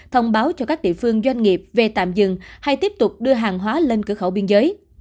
thông báo cho các địa phương doanh nghiệp về tạm dừng hay tiếp tục đưa hàng hóa lên cửa khẩu biên giới